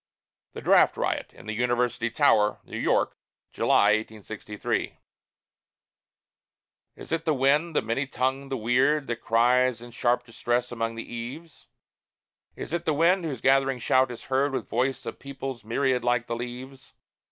THE DRAFT RIOT IN THE UNIVERSITY TOWER: NEW YORK, July, 1863 Is it the wind, the many tongued, the weird, That cries in sharp distress about the eaves? Is it the wind whose gathering shout is heard With voice of peoples myriad like the leaves?